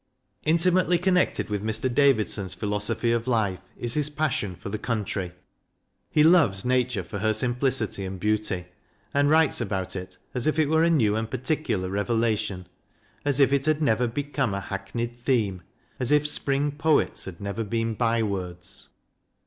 Intimately connected with Mr. Davidson's philo sophy of life is his passion for the country. He loves Nature for her simplicity and beauty, and writes about it as if it were a new and particular revelation, as if it had never become a hackneyed theme, as if Spring Poets had never been by words.